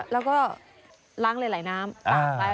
แล้วก็ล้างเลยไหลน้ำ